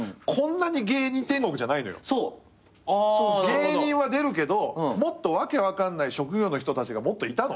芸人は出るけどもっと訳分かんない職業の人たちがもっといたの。